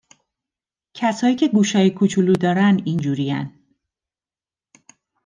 کسایی که گوشای کوچولو دارن اینجورین